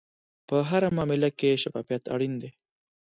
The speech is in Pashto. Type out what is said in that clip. په هره معامله کې شفافیت اړین دی.